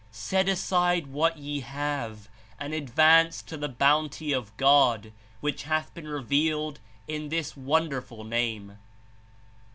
Set aside what ye have and advance to the Bounty of God, which hath been revealed in this Wonderful Name."